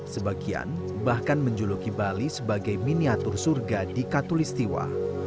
sebagian bahkan menjuluki bali sebagai miniatur surga di katulistiwa